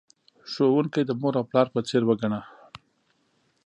ښوونکی د مور او پلار په څیر وگڼه.